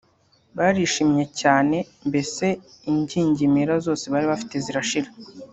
Barishimye cyane mbese ingingimira zose bari bafite zirashira